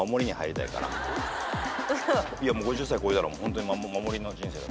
５０歳超えたらホントに守りの人生だから。